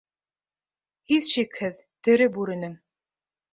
— Һис шикһеҙ, тере бүренең.